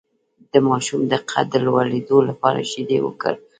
د ماشوم د قد د لوړیدو لپاره شیدې ورکړئ